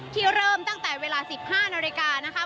เริ่มตั้งแต่เวลา๑๕นาฬิกานะคะ